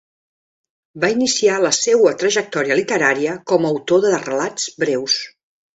Va iniciar la seua trajectòria literària com a autor de relats breus.